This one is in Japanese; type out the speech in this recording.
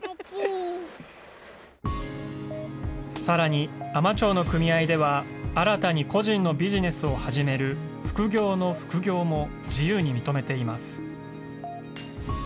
さらに海士町の組合では、新たに個人のビジネスを始める複業の副業も自由に認めています。